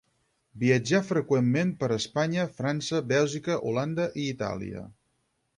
Viatjà freqüentment per Espanya, França, Bèlgica, Holanda i Itàlia.